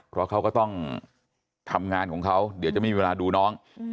เพราะเขาก็ต้องทำงานของเขาเดี๋ยวจะไม่มีเวลาดูน้อง